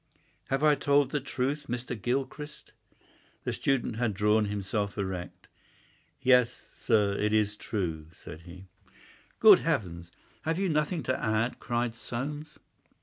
Have I told the truth, Mr. Gilchrist?" The student had drawn himself erect. "Yes, sir, it is true," said he. "Good heavens, have you nothing to add?" cried Soames.